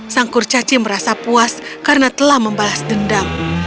sang kurcaci merasa puas karena telah membalas dendam